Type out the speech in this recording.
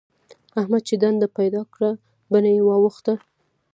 احمد چې دنده پيدا کړه؛ بڼه يې واوښته.